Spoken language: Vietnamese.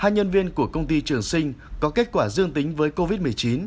hai nhân viên của công ty trường sinh có kết quả dương tính với covid một mươi chín